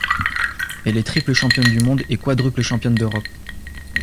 Elle est triple championne du monde et quadruple championne d'Europe.